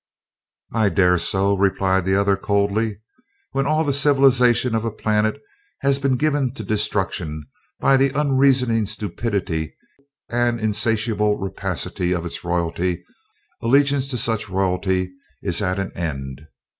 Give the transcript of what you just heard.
"I dare so," replied the other, coldly. "When all the civilization of a planet has been given to destruction by the unreasoning stupidity and insatiable rapacity of its royalty, allegiance to such royalty is at an end.